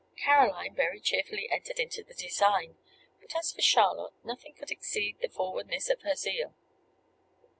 Caroline very cheerfully entered into the design; but as for Charlotte, nothing could exceed the forwardness of her zeal.